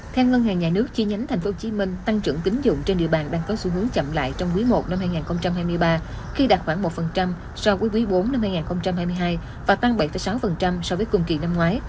theo ngân hàng nhà nước chi nhánh tp hcm tăng trưởng tính dụng trên địa bàn đang có xu hướng chậm lại trong quý i năm hai nghìn hai mươi ba khi đạt khoảng một so với quý iv năm hai nghìn hai mươi hai và tăng bảy sáu so với cùng kỳ năm ngoái